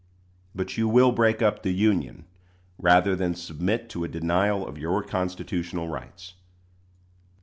But you will break up the Union rather than submit to a denial of your constitutional rights.